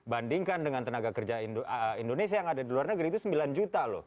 bandingkan dengan tenaga kerja indonesia yang ada di luar negeri itu sembilan juta loh